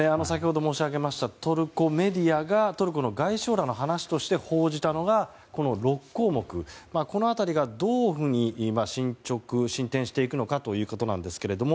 先ほど申し上げましたトルコメディアがトルコの外相らの話として報じたのが６項目、この辺りがどう進展していくかということですが